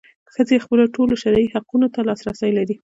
ښځې خپلو ټولو شرعي حقونو ته لاسرسی لري.